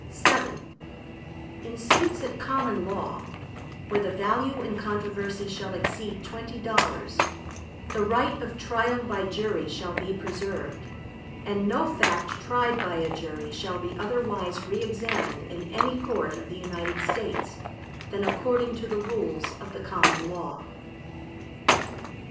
VII In suits at common law, where the value in controversy shall exceed twenty dollars, the right of trial by jury shall be preserved, and no fact tried by a jury shall be otherwise re examined in any court of the United States, than according to the rules of the common law.